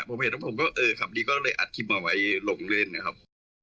ผมเห็นผมก็เออขับดีก็เลยอัดคลิปเอาไว้ลงเล่นนะครับ